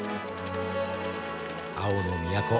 青の都